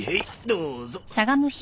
どうぞ。